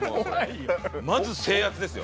まず制圧ですよ。